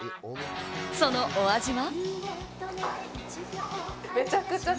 そのお味は？